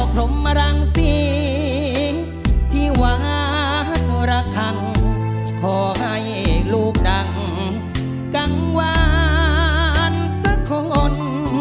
กังวานซะของอ่อน